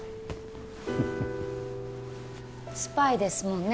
フフフスパイですもんね